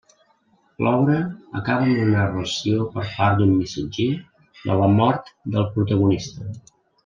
L'obra acaba amb la narració per part d'un missatger de la mort del protagonista.